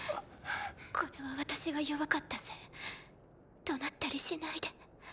これは私が弱かったせい怒鳴ったりしないで。